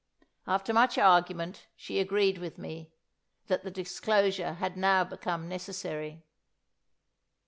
After much argument, she agreed with me, that the disclosure had now become necessary.